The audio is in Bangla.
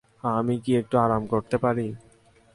আমি কি একটু আরাম করতে পারি?